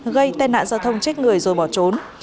gây tai nạn giao thông chết người rồi bỏ trốn